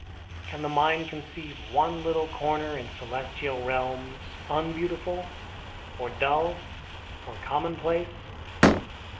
Can the mind conceive One little corner in celestial realms Unbeautiful, or dull or commonplace?